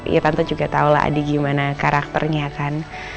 ya tante juga tau lah adi gimana karakternya kan